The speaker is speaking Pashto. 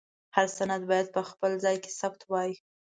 هر سند باید په خپل ځای کې ثبت وای.